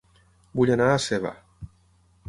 Vull anar a Seva